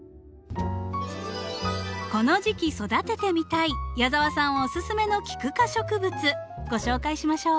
この時期育ててみたい矢澤さんおすすめのキク科植物ご紹介しましょう。